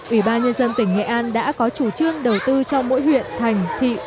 ủy ban nhân dân tỉnh nghệ an đã có chủ trương đầu tư cho mỗi huyện thành thị